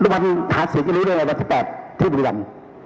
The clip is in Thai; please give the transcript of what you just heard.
วันหาเสียงอีกแล้ววันที่๘ที่รีลัม